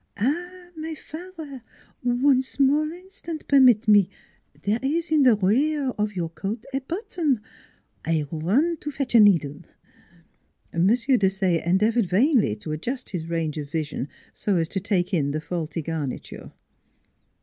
" Ah, my father, one small instant permit me ; there is in the rear of your coat a button I run to fetch a needle !" M. Desaye endeavored vainly to adjust his range of vision so as to take in the faulty garniture.